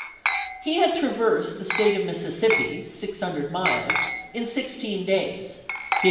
He had traversed the State of Mississippi, 600 miles in sixteen days; he had w.